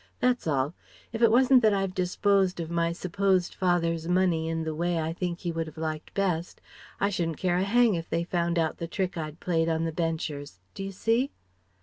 That's all. If it wasn't that I've disposed of my supposed father's money in the way I think he would have liked best, I shouldn't care a hang if they found out the trick I'd played on the Benchers. D'you see?"